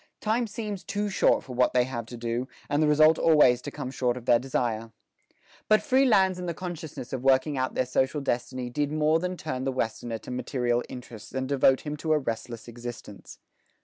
Time seems too short for what they have to do, and the result always to come short of their desire." But free lands and the consciousness of working out their social destiny did more than turn the Westerner to material interests and devote him to a restless existence.